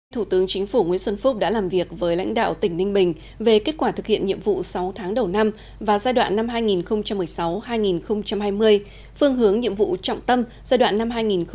thủ tướng chính phủ nguyễn xuân phúc đã làm việc với lãnh đạo tỉnh ninh bình về kết quả thực hiện nhiệm vụ sáu tháng đầu năm và giai đoạn năm hai nghìn một mươi sáu hai nghìn hai mươi phương hướng nhiệm vụ trọng tâm giai đoạn năm hai nghìn hai mươi hai nghìn hai mươi năm